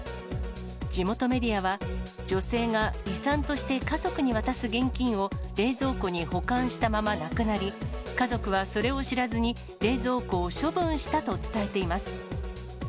地元メディアは、女性が遺産として家族に渡す現金を、冷蔵庫に保管したまま亡くなり、家族はそれを知らずに冷蔵庫を処分したと伝えています。